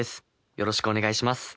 よろしくお願いします。